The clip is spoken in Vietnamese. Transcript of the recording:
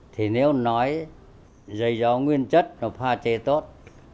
thì nếu nói giấy gió nguyên chất là pha chế tốt